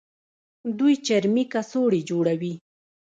دوی چرمي کڅوړې جوړوي.